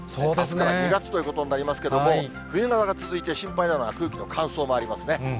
あすから２月ということになりますけれども、冬晴れが続いて心配なのは、空気の乾燥もありますね。